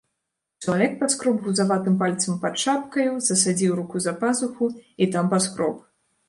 Чалавек паскроб гузаватым пальцам пад шапкаю, засадзіў руку за пазуху і там паскроб.